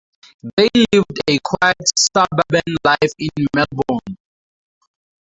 They lived a quiet suburban life in Melbourne.